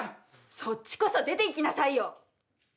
そっちこそ出ていきなさいよ！